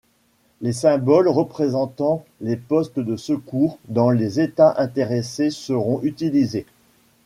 Les symboles représentant les postes de secours dans les États intéressés seront utilisés.